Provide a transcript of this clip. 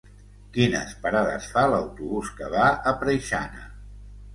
Quines parades fa l'autobús que va a Preixana?